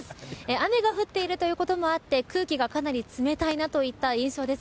雨が降っているということもあって空気が、かなり冷たいなといった印象です。